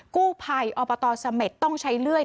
กู้ภัยอสมรตรต้องใช้เลื่อย